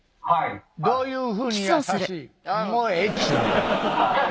「はい」